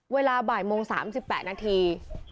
เวลาบ่ายโมง๓๘นาที